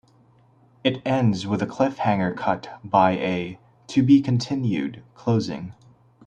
It ends with a cliffhanger cut by a "To Be Continued" closing.